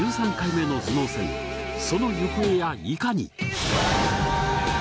その行方やいかに？